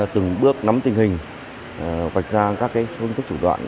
từng bước nắm tình hình vạch ra các phương thức thủ đoạn